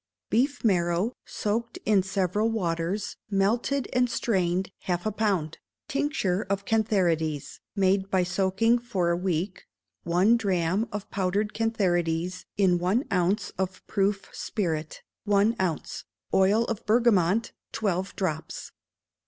Beef marrow, soaked in several waters, melted and strained, half a pound; tincture of cantharides (made by soaking for a week one drachm of powdered cantharides in one ounce of proof spirit), one ounce; oil of bergamot, twelve drops.